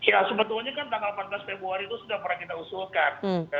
ya sebetulnya kan tanggal empat belas februari itu sudah pernah kita usulkan